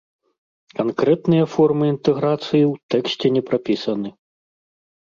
Канкрэтныя формы інтэграцыі ў тэксце не прапісаны.